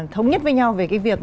thống nhất với nhau về cái việc